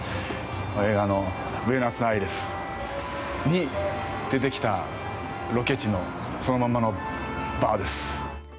映画「ブエノスアイレス」に出てきたロケ地のそのまんまのバーです。